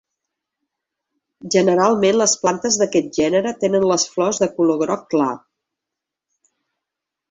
Generalment les plantes d'aquest gènere tenen les flors de color groc clar.